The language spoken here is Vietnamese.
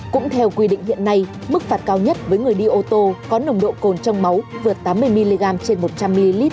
cũng theo quy định hiện nay mức phạt cao nhất với người đi ô tô có nồng độ cồn trong máu vượt tám mươi mg trên một trăm linh ml